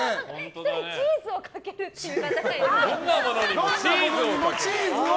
１人チーズをかけるって方いるけど。